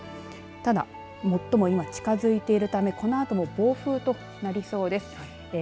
ただ、もっとも今近づいているためこのあとも暴風となりそうです。